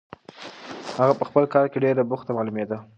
هغه په خپل کار کې ډېره بوخته معلومېدله.